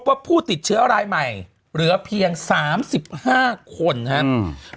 พบว่าผู้ติดเชื้อรายใหม่เหลือเพียง๓๕คนนะครับ